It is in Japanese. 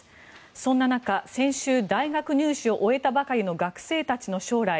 そんな中先週、大学入試を終えたばかりの学生たちの将来。